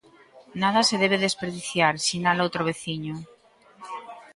Nada se debe desperdiciar, sinala outro veciño.